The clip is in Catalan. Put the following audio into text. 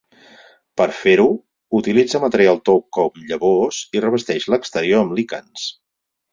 Per fer-ho utilitza material tou com llavors i revesteix l'exterior amb líquens.